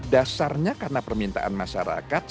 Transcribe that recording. dasarnya karena permintaan masyarakat